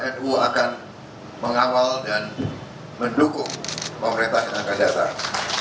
dan kami juga akan mengawal dan mendukung pemerintah yang akan datang